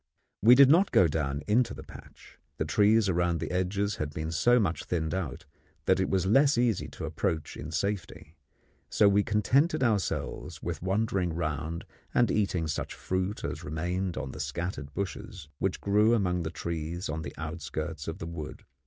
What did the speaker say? We did not go down into the patch. The trees around the edges had been so much thinned out that it was less easy to approach in safety; so we contented ourselves with wandering round and eating such fruit as remained on the scattered bushes which grew among the trees on the outskirts of the wood.